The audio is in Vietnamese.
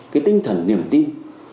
cái tinh thần niềm tin